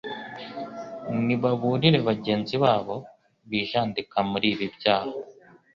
ni baburire bagenzi babo bijandika muri ibi byaha